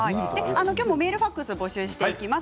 メール、ファックスを募集します。